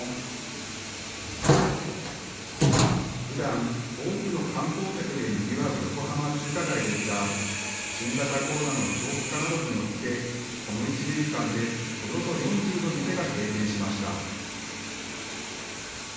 ふだん、多くの観光客でにぎわう横浜中華街ですが新型コロナの長期化などによってこの１年間でおよそ４０の店が閉店しました。